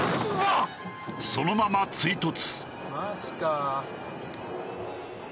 そのまま追突。